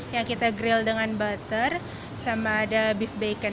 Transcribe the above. yang kita grill dengan butter sama ada beef baconnya eggs anyway jadi kita bisa pilih segan